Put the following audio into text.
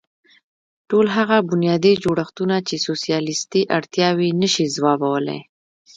ټول هغه بنیادي جوړښتونه چې سوسیالېستي اړتیاوې نه شي ځوابولی.